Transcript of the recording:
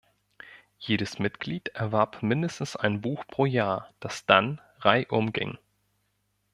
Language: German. Jedes Mitglied erwarb mindestens ein Buch pro Jahr, das dann reihum ging.